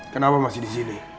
kenapa masih disini